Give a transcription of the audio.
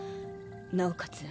なおかつ